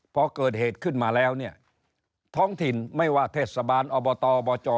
พอเกิดเหตุขึ้นมาแล้วเนี่ยท้องถิ่นไม่ว่าเทศบาลอบตอบจ